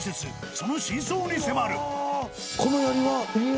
その真相に迫る。